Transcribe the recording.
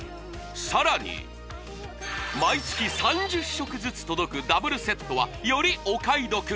さらに毎月３０食ずつ届くダブルセットはよりお買い得！